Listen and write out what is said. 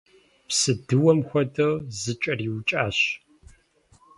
Псыдыуэм хуэдэу зыкӏэриукӏащ.